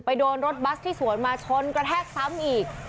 โดนรถบัสที่สวนมาชนกระแทกซ้ำอีก